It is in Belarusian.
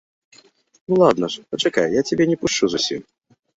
Ну ладна ж, пачакай, я цябе не пушчу зусім.